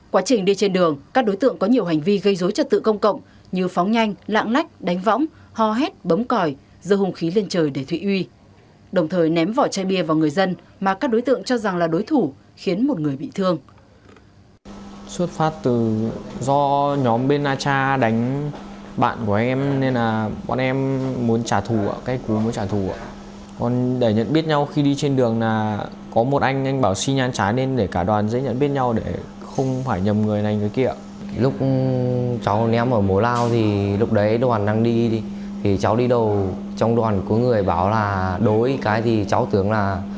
quá trình đi trên đường các đối tượng có nhiều hành vi gây dối trật tự công cộng như phóng nhanh lạng lách đánh võng ho hét bấm còi dơ hung khí lên trời để thụy uy đồng thời ném vỏ chai bia vào người dân mà các đối tượng cho rằng là đối thủ khiến một người bị thương